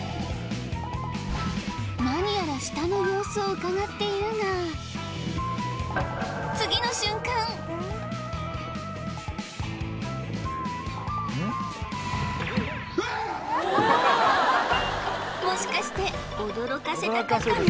何やら下の様子をうかがっているがウワッもしかして驚かせたかったの？